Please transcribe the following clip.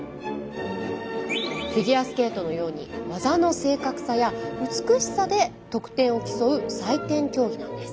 フィギュアスケートのように技の正確さや美しさで得点を競う採点競技なんです。